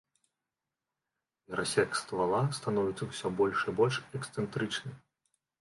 Перасек ствала становіцца ўсё больш і больш эксцэнтрычны.